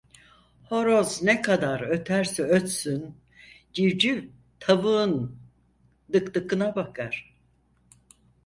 Horoz ne kadar öterse ötsün, civciv tavuğun dıkdıkına bakar.